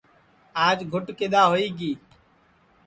آج گُٹ کِدؔا ہوئی گی